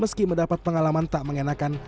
meski mendapat pengalaman tak mengenakan